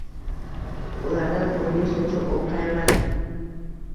Ulardan o‘n beshtacha o‘q tayyorladim